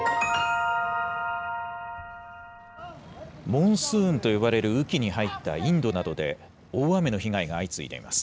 モンスーンと呼ばれる雨季に入ったインドなどで、大雨の被害が相次いでいます。